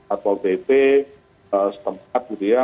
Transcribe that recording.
atau pp setempat gitu ya